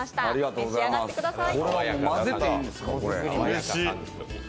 召し上がってください。